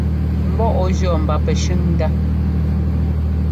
Mbɔ ɔ jʉ̈ mba pɛshʉ́n ndá.